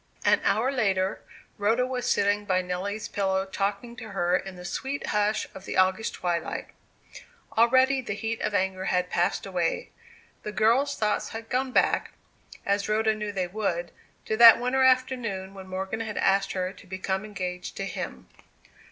An hour later, Rhoda was sitting by Nelly's pillow, talking to her in the sweet hush of the August twilight. Already the heat of anger had passed away. The girl's thoughts had gone back, as Rhoda knew they would, to that winter afternoon when Morgan had asked her to become engaged to him.